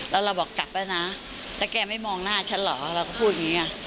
แล้วเราบอกกลับแล้วนะแล้วแกไม่มองหน้าฉันเหรอเราก็พูดอย่างนี้